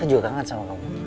saya juga kangen sama kamu